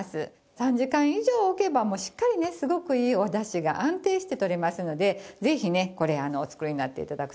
３時間以上おけばもうしっかりねすごくいいおだしが安定してとれますのでぜひこれお作りになって頂くといいと思います。